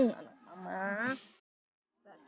selamat ya mbak kat